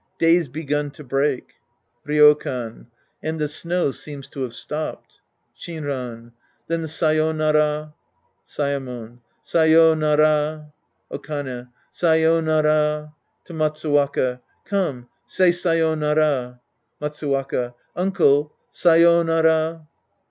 Day's begun to break. Ryo can. And the snow seems to have stopped. Shinran. Then say5nara. Saemon. Sayonara. Okane. Say5nara. {T^o Matsuwaka.) Come, say sayonara. Matsuwaka. Uncle, sayonara.